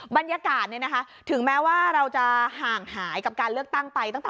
บรรยากาศถึงแม้ว่าเราจะห่างหายกับการเลือกตั้งไปตั้งแต่